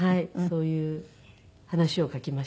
そういう話を書きました。